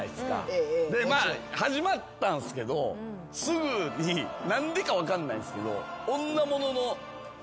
で始まったんすけどすぐに何でか分かんないんすけど。